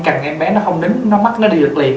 cần em bé nó không đến nó mắc nó đi lật liền